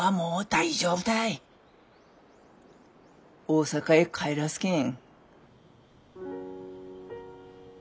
大阪へ帰らすけん。